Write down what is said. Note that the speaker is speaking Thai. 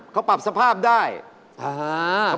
เขาพูดถาดน้ำ